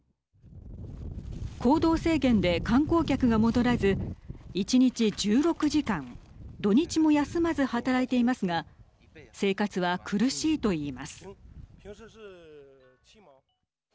行動制限で観光客が戻らず１日１６時間土日も休まず働いていますが生活は苦しいと言います。